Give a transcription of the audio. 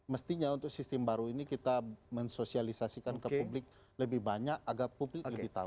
mestinya untuk sistem baru ini kita mensosialisasikan ke publik lebih banyak agar publik lebih tahu